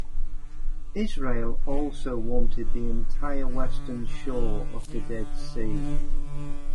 Israel also wanted the entire western shore of the Dead Sea.